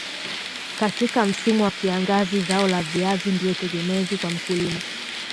katika msimu wa kiangazi zao la viazi ndio tegemezi kwa mkulima